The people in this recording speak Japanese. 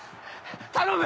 頼む！